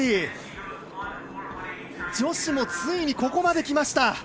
女子もついにここまで来ました。